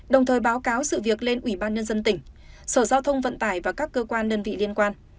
đồng thời báo cáo sự việc lên ubnd tỉnh sở giao thông vận tải và các cơ quan đơn vị liên quan